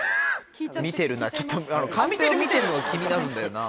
見てるなちょっとカンペを見てるの気になるんだよな。